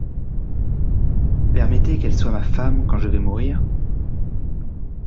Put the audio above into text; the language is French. Permettez qu'elle soit ma femme quand je vais mourir.